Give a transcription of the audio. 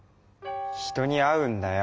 人に会うんだよ！